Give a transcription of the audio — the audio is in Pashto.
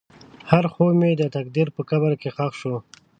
هر خوب مې د تقدیر په قبر کې ښخ شو.